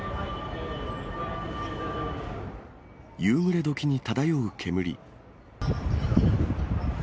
夕暮れどきに漂う煙。